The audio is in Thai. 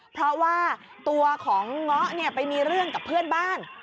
เพราะว่าตัวของเงาะไปมีเรื่องกับเพื่อนบ้าน